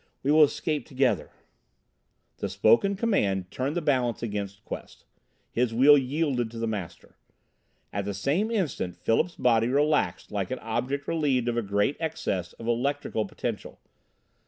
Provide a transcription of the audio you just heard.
We will escape together!" The spoken command turned the balance against Quest. His will yielded to the master. At the same instant Philip's body relaxed like an object relieved of a great excess of electrical potential.